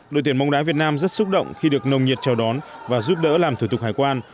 đội tuyển bóng đá việt nam rất xúc động khi được nồng nhiệt chào đón và giúp đỡ làm thủ tục hải quan